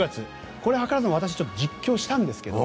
これ、図らずも私実況したんですけども。